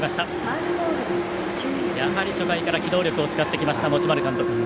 やはり初回から機動力を使ってきました持丸監督。